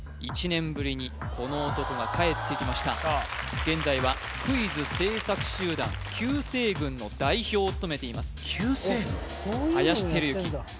１年ぶりにこの男がかえってきました現在はクイズ制作集団Ｑ星群の代表を務めています・Ｑ星群